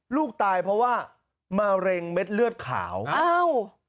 ลูกตายเพราะว่ามะเร็งเม็ดเลือดขาวอ้าว